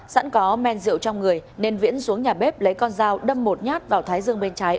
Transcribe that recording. sẵn có men rượu trong người nên viễn xuống nhà bếp lấy con dao đâm một nhát vào thái dương bên trái